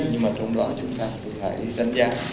nhưng mà trong đó chúng ta cũng phải đánh giá